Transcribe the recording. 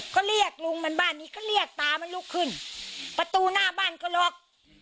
ก็เรียกลุงมันบ้านนี้ก็เรียกตามันลุกขึ้นประตูหน้าบ้านก็ล็อก